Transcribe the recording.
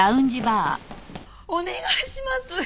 お願いします！